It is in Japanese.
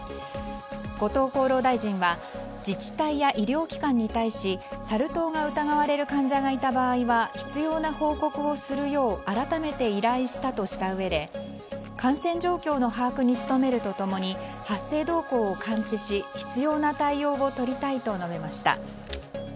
後藤厚労大臣は自治体や医療機関に対してサル痘が疑われる患者がいた場合は必要な報告をするよう改めて依頼したということで感染状況の把握に努めるとともに発生動向を監視し必要な対応を取りたいと述べました。